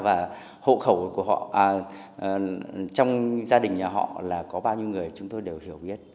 và hộ khẩu của họ trong gia đình nhà họ là có bao nhiêu người chúng tôi đều hiểu biết